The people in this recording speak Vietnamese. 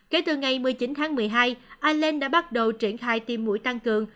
kể từ ngày một mươi chín tháng một mươi hai ireland đã bắt đầu triển khai tiêm mũi tăng cường